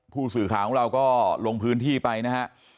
ผู้สื่อข่าวของเราก็ลงพื้นที่ไปนะฮะ